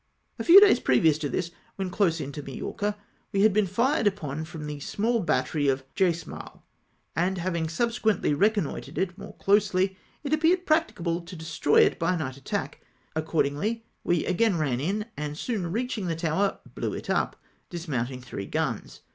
A few days previous to this, when close to Majorca, we had been fired upon from the smaU battery of Jacemal, and having subsequently reconnoitred it more closely, it appeared practicable to destroy it by a night attack. Accordingly, we again ran in, and soon reach ing the tower, blew it up, dismounting three guns.